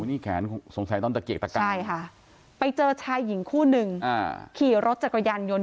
นี่แขนสงสัยตอนตะเกียกตะกายใช่ค่ะไปเจอชายหญิงคู่หนึ่งขี่รถจักรยานยนต์